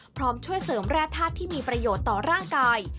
พร้อมช่วยเสริมแร่ธาตุที่มีประโยชน์ต่อร่างกาย